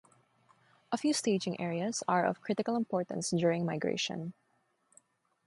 A few staging areas are of critical importance during migration.